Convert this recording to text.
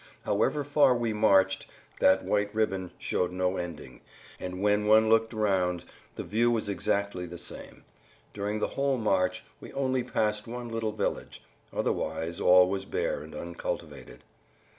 However far we marched that white ribbon showed no ending, and when one looked round, the view was exactly the same. During the whole march we only passed one little village; otherwise all was bare and uncultivated.